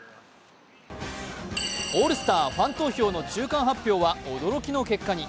オールスターファン投票の中間発表は驚きの結果に。